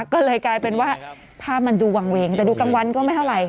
ก็เลยกลายเป็นว่าภาพมันดูวางเวงแต่ดูกลางวันก็ไม่เท่าไหร่